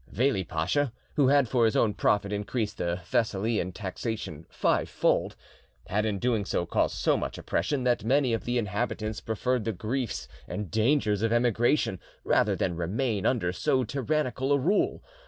Veli Pacha, who had for his own profit increased the Thessalian taxation fivefold, had in doing so caused so much oppression that many of the inhabitants preferred the griefs and dangers of emigration rather than remain under so tyrannical a rule.